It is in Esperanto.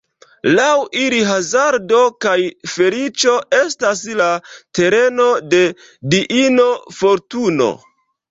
Laŭ ili hazardo kaj feliĉo estas la tereno de diino Fortuno.